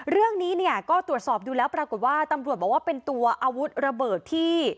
เรื่องนี้เนี่ยก็ตรวจสอบดูแล้วปรากฏว่าตำรวจบอกว่าเป็นตัวอาวุธระเบิดที่